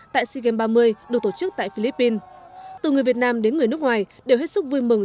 tại sea games ba mươi được tổ chức tại philippines từ người việt nam đến người nước ngoài đều hết sức vui mừng